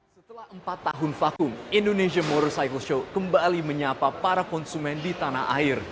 setelah empat tahun vakum indonesia more cycle show kembali menyapa para konsumen di tanah air